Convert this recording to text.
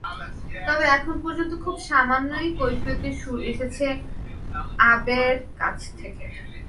তবে এখন পর্যন্ত খুব সামান্যই কৈফিয়তের সুর এসেছে আবের কাছ থেকে।